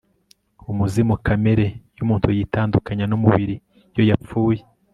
umuzimu kamere y'umuntu yitandukanya n'umubiri iyo yapfuye